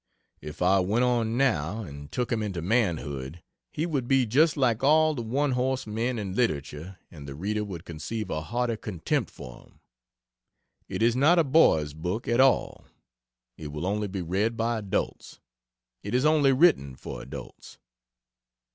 If I went on, now, and took him into manhood, he would just like like all the one horse men in literature and the reader would conceive a hearty contempt for him. It is not a boy's book, at all. It will only be read by adults. It is only written for adults.